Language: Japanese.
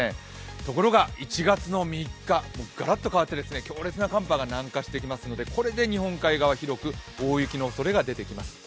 ところが１月の３日、がらっと変わって強烈な寒波が南下してきますので、これで日本海側は広く大雪のおそれが出てきます。